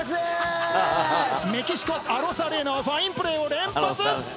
・メキシコアロサレーナはファインプレーを連発！